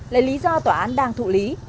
là lý do tòa án đang thụ lý